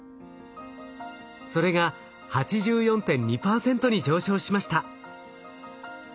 それが８４．２％に上昇しました。